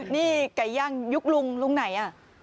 นี่ไก่ย่างยุคลุงลุงไหนอ่ะ